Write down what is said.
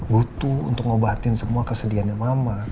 butuh untuk ngobatin semua kesedihannya mama